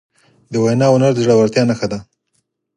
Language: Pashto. د وینا هنر د زړهورتیا نښه ده.